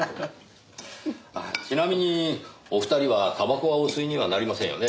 あっちなみにお二人はタバコはお吸いにはなりませんよね？